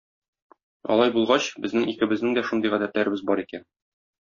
Алай булгач, безнең икебезнең дә шундый гадәтләребез бар икән